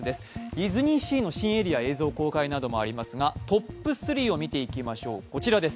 ディズニーシーの新エリア映像公開などもありますが、トップ３を見ていきましょう。